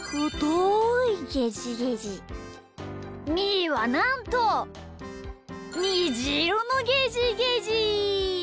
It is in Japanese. みーはなんとにじいろのゲジゲジ！